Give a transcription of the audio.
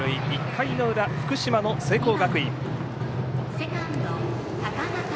１回の裏、福島の聖光学院。